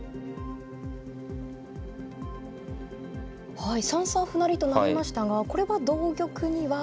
はい３三歩成と成りましたがこれは同玉には。